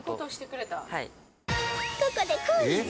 ここでクイズ